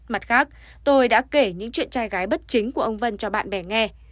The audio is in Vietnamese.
mặt khác tôi đã kể những chuyện trai gái bất chính của ông vân cho bạn bè nghe